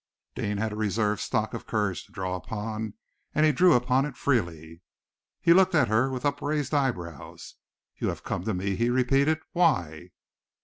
Deane had a reserve stock of courage to draw upon, and he drew upon it freely. He looked at her with upraised eyebrows. "You have come to me," he repeated. "Why?"